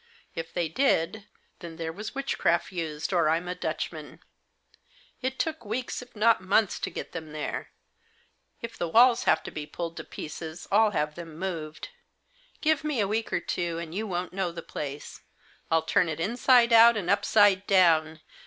If they did, then there was witchcraft used, or Fm a Dutchman. It took weeks, if not months, to get them there. If the walls have to be pulled to pieces I'll have them moved. Give me a week or two and you won't know the place. I'll turn it inside out and upside down.